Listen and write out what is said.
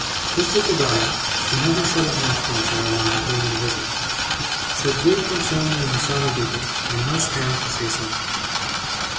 Mr. Peggotty (who never shut his mouth once, I remember, during the visit) showed great concern when he saw me do this, and nudged Ham to say something.